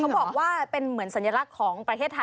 ค่ะก็จะเป็นความนิยมหรือว่าเป็นแนวความคิดของญี่ปุ่นประมาณนี้ค่ะ